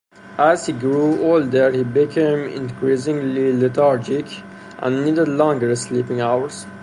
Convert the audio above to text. As he grew older, he became increasingly lethargic and needed longer sleeping hours.